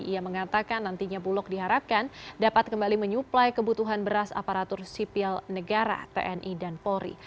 ia mengatakan nantinya bulog diharapkan dapat kembali menyuplai kebutuhan beras aparatur sipil negara tni dan polri